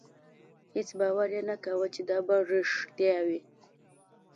هېڅ باور یې نه کاوه چې دا به رښتیا وي.